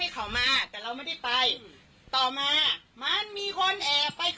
เค้าบอกว่าไม่ได้ค่ะ